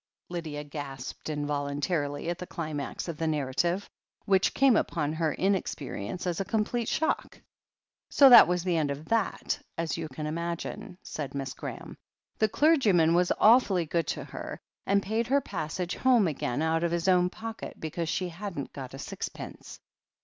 Lydia gasped involuntarily at the climax of the narrative, which came upon her inexperience as a complete shock. "So that was the end of that, as you can imagine," said Miss Graham. "The clergyman was awfully good to her, and paid her passage home again out of his own pocket, because she hadn't got a sixpence.